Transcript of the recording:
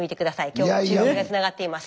今日は中継がつながっています。